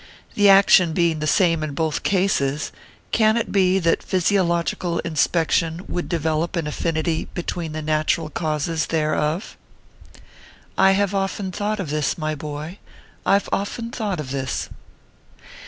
The action be ing the same in both cases, can it be that physiolog ical inspection would develope an affinity between the natural causes thereof ? I have often thought of this, my boy, I ve often thought of this.